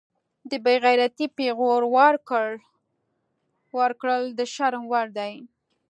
د بیغیرتۍ پیغور ورکول د شرم وړ دي